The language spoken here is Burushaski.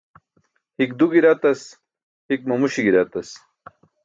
Hik du gi̇ratas, hik mamuśi̇ gi̇ratas.